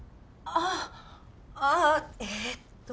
ああえっと。